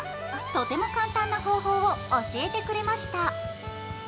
とても簡単な方法を教えてくれました。